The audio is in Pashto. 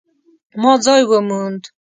ما ځای وموند